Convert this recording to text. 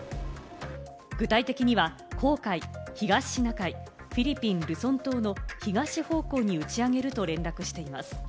具体的には黄海、東シナ海、フィリピン・ルソン島の東方向に打ち上げると連絡しています。